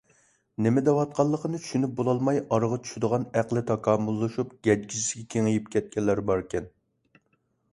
نېمە دەۋاتقانلىقىنى چۈشىنىپ بولالماي ئارىغا چۈشىدىغان ئەقلى تاكامۇللىشىپ گەجگىسىگە كېڭىيىپ كەتكەنلەر باركەن.